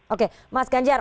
oke mas ganjar